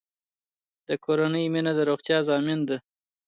د کورنۍ مینه د روغتیا ضامن ده.